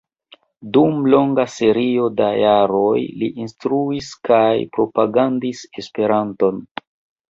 Dum longa serio da jaroj li instruis kaj propagandis Esperanton.